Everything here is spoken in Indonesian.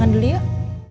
makan dulu yuk